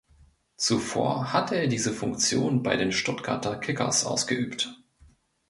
Zuvor hatte er diese Funktion bei den Stuttgarter Kickers ausgeübt.